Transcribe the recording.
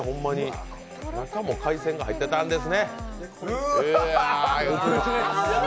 中にも海鮮が入ってたんですね。